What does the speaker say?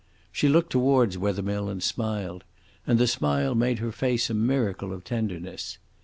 She looked towards Wethermill and smiled; and the smile made her face a miracle of tenderness.